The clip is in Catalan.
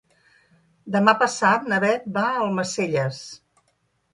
Demà passat na Beth va a Almacelles.